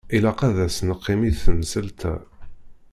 Ilaq ad as-neqqim i temsalt-a.